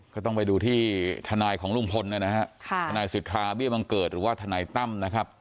ก็ต้องไปดูที่ทนายของลุงพลนะฮะทนายสิทธาเบี้ยบังเกิดหรือว่าทนายตั้มนะครับ